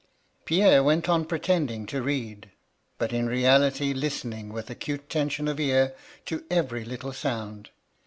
" Pierre went on pretending to read, but in reality listening with acute tension of ear to every little sound.